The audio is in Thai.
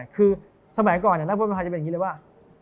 คือสมัยก่อนนักโทษมหาจะเป็นอย่างนี้เลยว่า